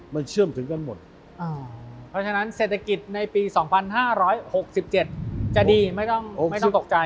เพราะฉะนั้นเศรษฐกิจในปี๒๕๖๗จะดีไม่ต้องตกใจ